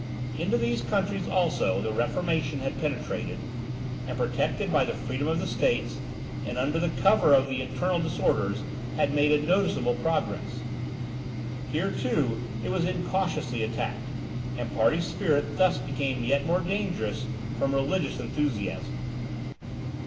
Into these countries also the Reformation had penetrated; and protected by the freedom of the States, and under the cover of the internal disorders, had made a noticeable progress. Here too it was incautiously attacked, and party spirit thus became yet more dangerous from religious enthusiasm.